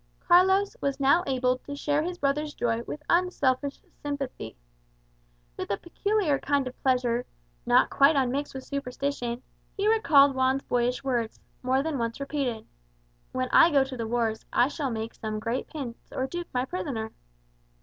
Carlos was now able to share his brother's joy with unselfish sympathy. With a peculiar kind of pleasure, not quite unmixed with superstition, he recalled Juan's boyish words, more than once repeated, "When I go to the wars, I shall make some great prince or duke my prisoner."